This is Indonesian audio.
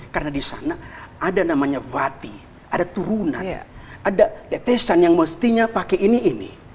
karena di sana ada namanya vati ada turunan ada tetesan yang mestinya pakai ini ini